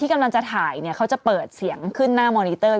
ตั้งใจพูดให้ได้ยินเหรอ